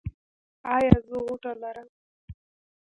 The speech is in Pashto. ایا زه غوټه لرم؟